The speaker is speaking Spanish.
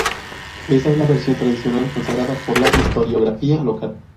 Esta es la versión tradicional consagrada por la historiografía local.